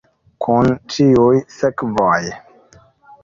Kun ĉiuj sekvoj.